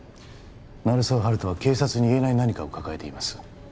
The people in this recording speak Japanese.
鳴沢温人は警察に言えない何かを抱えています